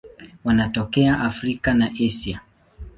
Wanatokea Afrika na Asia.